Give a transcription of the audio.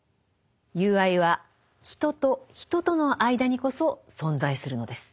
友愛は人と人との間にこそ存在するのです。